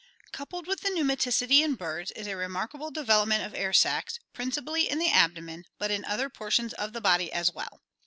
Coupled with the pneumaticity in birds is a remarkable development of air sacs, principally in the abdomen, but in other portions of the body as well.